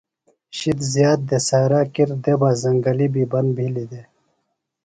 شِد زِیات دےۡ۔ سارا کِر دےۡ بہ زنگل بیۡ بند بِھلیۡ دےۡ۔